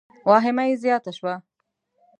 واهمه یې زیاته شوه.